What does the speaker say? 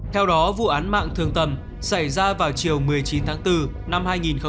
theo đó vụ án mạng thương tầm xảy ra vào chiều một mươi chín tháng bốn năm hai nghìn hai mươi ba